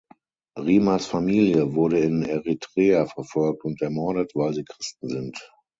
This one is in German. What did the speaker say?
Rimas Familie wurde in Eritrea verfolgt und ermordet, weil sie Christen sind.